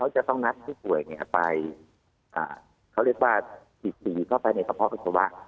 จะต้องนัดผู้ป่วยไปไปในแลปภาพให้กรุงศาสตร์